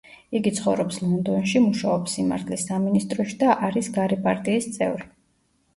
იგი ცხოვრობს ლონდონში, მუშაობს სიმართლის სამინისტროში და არის გარე პარტიის წევრი.